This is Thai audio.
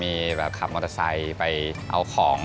ก็ที่เคยทำมีขับมอเตอร์ไซค์ไปเอาของ